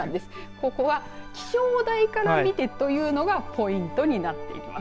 ここは気象台から見てというのがポイントになっています。